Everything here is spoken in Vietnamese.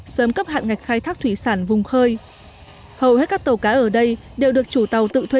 sớm cấp hạn ngạch khai thác thủy sản vùng khơi hầu hết các tàu cá ở đây đều được chủ tàu tự thuê